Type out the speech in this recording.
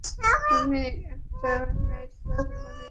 উনি একটা নাইটক্লাবের মালিক, যদি ভুল বলে না থাকি!